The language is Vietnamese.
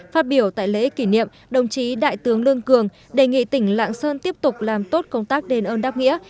phát biểu tại lễ kỷ niệm đồng chí đại tướng lương cường đề nghị tỉnh lạng sơn tiếp tục làm tốt công tác đền ơn đáp nghĩa